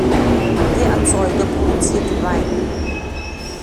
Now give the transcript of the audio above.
Der Erzeuger produziert Wein.